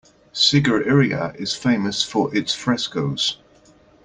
Sigirirya is famous for its frescoes.